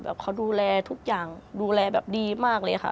เขาดูแลทุกอย่างดูแลแบบดีมากเลยค่ะ